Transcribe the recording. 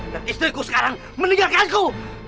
dan istriku sekarang meninggalkanku